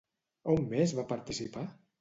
On més va participar?